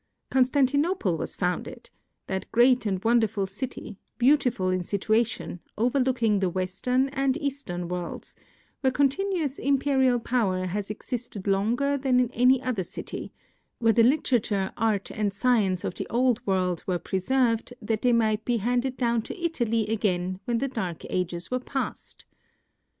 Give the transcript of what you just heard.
Constan tinople was founded — that great and wonderful city, beautiful in situation, overlooking the Eastern and Western worlds ; where continuous imperial power has existed longer than in any other city ; where the literature, art, and science of the Old World were preserved that they might be handed down to Italy again when the Dark Ages were past.